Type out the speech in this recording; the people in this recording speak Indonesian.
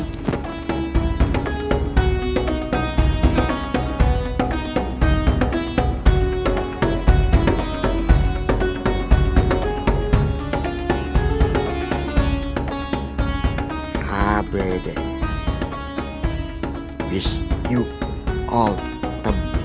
assalamualaikum pak ustadz